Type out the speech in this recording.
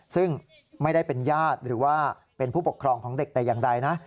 ซึ่งไม่ได้เป็นญาติหรือว่าเป็นผู้ปกครองของเด็กแต่อย่างใดนะ